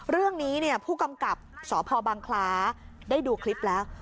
เรื่องนี้ผู้กำกับสพบังคล้าได้ดูคลิปแล้ว